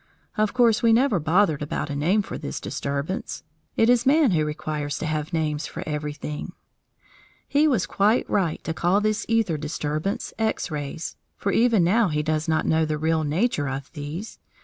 Of course we never bothered about a name for this disturbance; it is man who requires to have names for everything. He was quite right to call this æther disturbance "X rays," for even now he does not know the real nature of these.